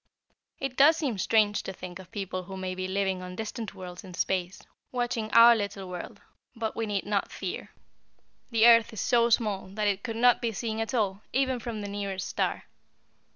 It does seem strange to think of people who may be living on distant worlds in space, watching our little world, but we need not fear. The earth is so small that it could not be seen at all, even from the nearest star.